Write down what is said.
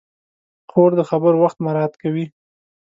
خور د خبرو وخت مراعت کوي.